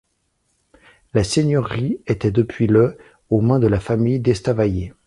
La seigneurie était depuis le aux mains de la famille d'Estavayer.